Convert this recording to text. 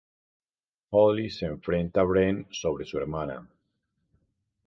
Hallie se enfrenta a Wren sobre su hermana.